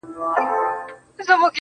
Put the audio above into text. o خو زه بيا داسي نه يم.